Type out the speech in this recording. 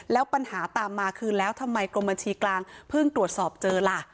แล้วปัญหาต่ำมาคือแล้วทำไมกณฑั้งเม็ดเจอล่ะ